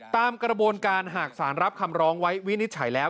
ตามกระบวนการหากสารรับคำร้องไว้วินิจฉัยแล้ว